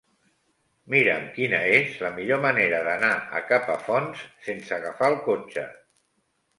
Mira'm quina és la millor manera d'anar a Capafonts sense agafar el cotxe.